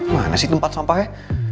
mana sih tempat sampahnya